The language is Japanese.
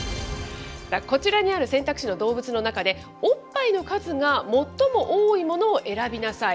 こちらにある選択肢の動物の中で、おっぱいの数が最も多いものを選びなさい。